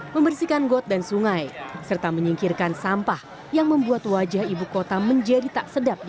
membersihkan got dan sungai serta menyingkirkan sampah yang membuat wajah ibu kota menjadi tak sedap di